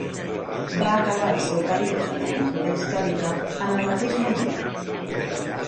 Va acabar el seu període de pintura històrica en el mateix moment.